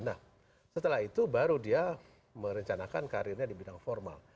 nah setelah itu baru dia merencanakan karirnya di bidang formal